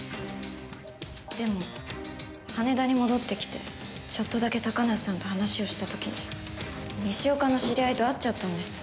でも羽田に戻ってきてちょっとだけ高梨さんと話をした時に西岡の知り合いと会っちゃったんです。